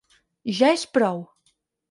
Ja és prou!